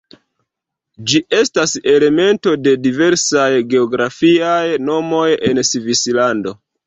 Ĝi estas elemento de diversaj geografiaj nomoj en Svislando.